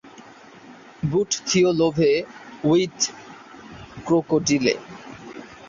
বুট থিয় লোভে উইথ ক্রোকোডিলে।